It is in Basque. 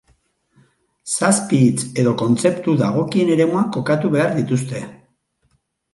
Zazpi hitz edo kontzeptu dagokien eremuan kokatu behar dituzte.